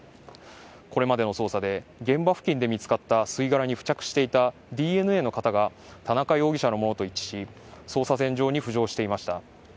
これまでの捜査で現場付近で見つかった吸い殻に付着していたＤＮＡの型が田中容疑者のものと一致し捜査線上に浮上していました。